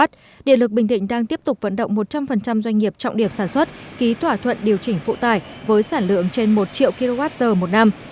điện lực bình định đang tiếp tục vận động một trăm linh doanh nghiệp trọng điểm sản xuất ký thỏa thuận điều chỉnh phụ tải với sản lượng trên một triệu kwh một năm